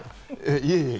いえ、いえ。